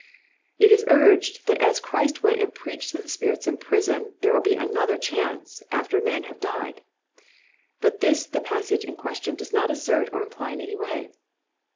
"+ It is urged that as Christ went and preached to the spirits in prison there will be another chance after men have died. But this the passage in question does not assert or imply in any way.